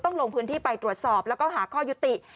ลงพื้นที่ไปตรวจสอบแล้วก็หาข้อยุติ